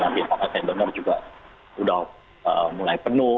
tapi saya dengar juga sudah mulai penuh